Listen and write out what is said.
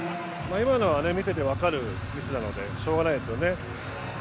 今のは見ててわかるミスなのでしょうがないですよね。